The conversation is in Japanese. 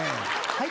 はい。